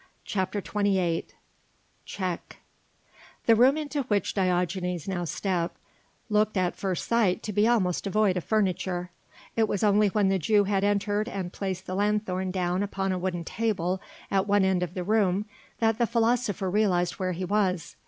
CHAPTER XXVIII CHECK The room into which Diogenes now stepped looked at first sight to be almost devoid of furniture: it was only when the Jew had entered and placed the lanthorn down upon a wooden table at one end of the room that the philosopher realized where he was.